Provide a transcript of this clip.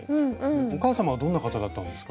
お母さまはどんな方だったんですか？